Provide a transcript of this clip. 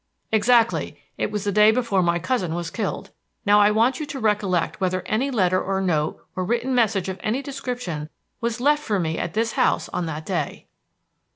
"Exactly; it was the day before my cousin was killed. Now I want you to recollect whether any letter or note or written message of any description was left for me at this house on that day."